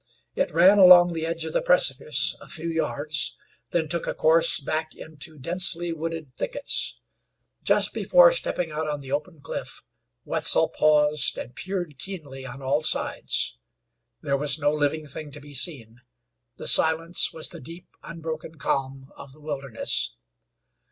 It ran along the edge of the precipice a few yards, then took a course back into densely wooded thickets. Just before stepping out on the open cliff Wetzel paused and peered keenly on all sides. There was no living thing to be seen; the silence was the deep, unbroken calm of the wilderness.